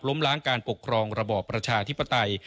ล้างการปกครองระบอบประชาธิปไตย